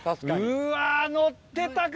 うわ載ってたか！